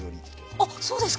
あっそうですか。